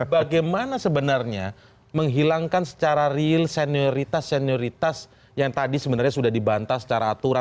bagaimana sebenarnya menghilangkan secara real senioritas senioritas yang tadi sebenarnya sudah dibantah secara aturan